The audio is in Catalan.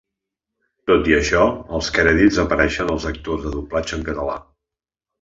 Tot i això, als crèdits apareixien els actors de doblatge en català.